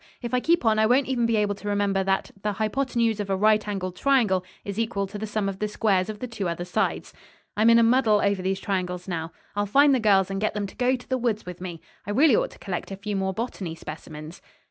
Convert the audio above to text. "If I keep on I won't even be able to remember that 'the hypotenuse of a right angled triangle is equal to the sum of the squares of the other two sides.' I'm in a muddle over these triangles now. I'll find the girls and get them to go to the woods with me. I really ought to collect a few more botany specimens."